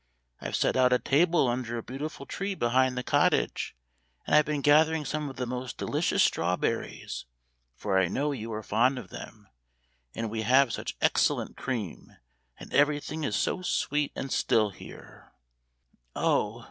I've set out a table under a beautiful tree behind the cottage; and I've been gathering some of the most delicious strawberries, for I know you are fond of them and we have such excellent cream and everything is so sweet and still here Oh!"